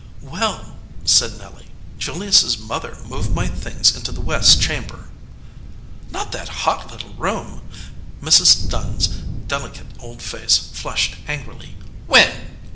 "Well," said Nelly, "Julius s mother moved my things into the west chamber." "Not that hot little room?" Mrs. Dunn s deli cate old face flushed angrily. "When?"